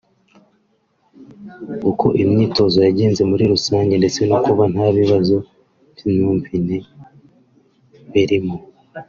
uko imyitozo yagenze muri rusange ndetse no kuba nta bibazo by’imvune birimo